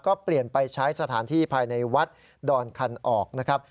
ก็เปลี่ยนไปใช้สถานที่ภายในวัดดอนคันออกนะครับ